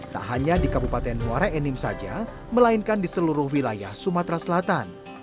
tak hanya di kabupaten muara enim saja melainkan di seluruh wilayah sumatera selatan